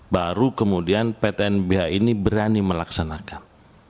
baru kemudian ptnbh ini berani melaksanakan